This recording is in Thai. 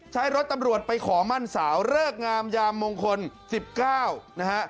ใช้รถตำรวจไปขอมั่นสาวเลิกงามยามมงคล๑๙นะฮะ